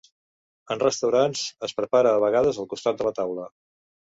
En restaurants, es prepara a vegades al costat de la taula.